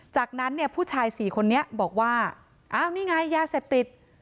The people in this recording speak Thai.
จากนั้นเนี่ยผู้ชายสี่คนนี้บอกว่าอ้าวนี่ไงยาเสพติด